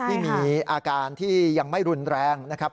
ที่มีอาการที่ยังไม่รุนแรงนะครับ